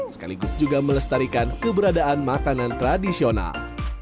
sekaligus juga melestarikan keberadaan makanan tradisional